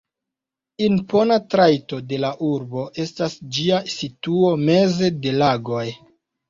Impona trajto de la urbo estas ĝia situo meze de lagoj.